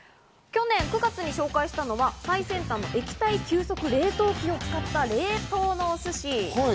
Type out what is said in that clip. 去年９月に紹介したのは、最先端の液体急速冷凍機を使った冷凍のお寿司。